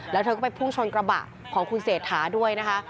แล้วเธอก็ไปพุ่งชนกระบะของคุณเศรษฐาด้วยนะคะ